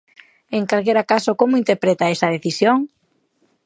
E, en calquera caso, como interpreta esa decisión?